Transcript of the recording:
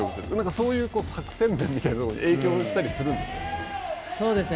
そういう作戦面みたいなのも影響したりするんですか。